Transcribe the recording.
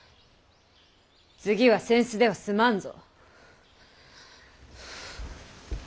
次は扇子では済まんぞ。